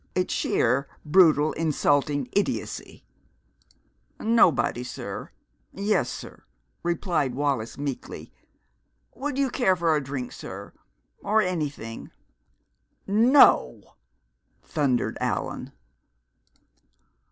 It's sheer, brutal, insulting idiocy!" "Nobody, sir yes, sir," replied Wallis meekly. "Would you care for a drink, sir or anything?" "No!" thundered Allan.